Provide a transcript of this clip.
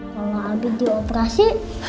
kalau abi dioperasi